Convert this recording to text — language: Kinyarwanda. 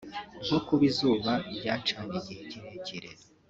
nko kuba izuba ryacanye igihe kirekire